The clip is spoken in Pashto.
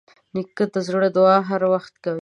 نیکه د زړه دعا هر وخت کوي.